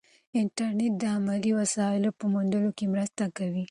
انټرنیټ د علمي وسایلو په موندلو کې مرسته کوي.